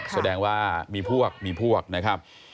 แสดงว่ามีพวกมีพวกนะครับ